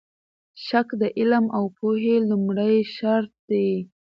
شک د علم او پوهې لومړی شرط دی.